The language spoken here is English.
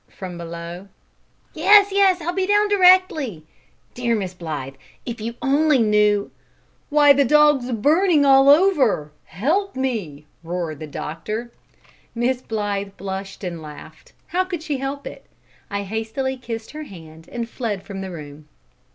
from below. "Yes, yes, I'll be down directly! Dear Miss Blythe, if you only knew " "Why, the dog's burning all over help me!" roared the doctor. Miss Blythe blushed and laughed. How could she help it? I hastily kissed her hand, and fled from the room.